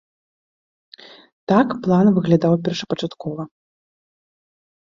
Так план выглядаў першапачаткова.